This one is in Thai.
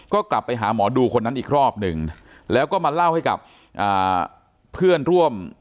ก็กลับไปหาหมอดูคนนั้นอีกรอบหนึ่งแล้วก็มาเล่าให้กับเพื่อนร่วม